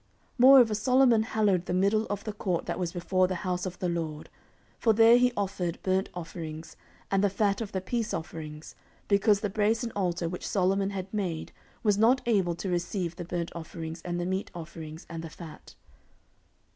14:007:007 Moreover Solomon hallowed the middle of the court that was before the house of the LORD: for there he offered burnt offerings, and the fat of the peace offerings, because the brasen altar which Solomon had made was not able to receive the burnt offerings, and the meat offerings, and the fat.